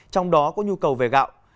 trong đó có nhu cầu về gạo